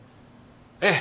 ええ。